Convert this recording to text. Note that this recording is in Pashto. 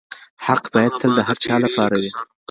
حق بايد تل د هر چا لپاره وي.